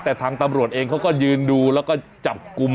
แต่ทางตำรวจเองเขาก็ยืนดูแล้วก็จับกลุ่ม